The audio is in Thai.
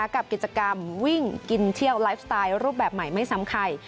กับกิจกรรมวิ่งกินเที่ยวไลฟ์สไตล์รูปแบบใหม่ไม่ซ้ำใคร